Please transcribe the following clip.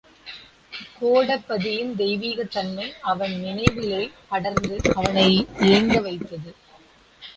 கோடபதியின் தெய்வீகத் தன்மை அவன் நினைவிலே படர்ந்து அவனை ஏங்க வைத்தது.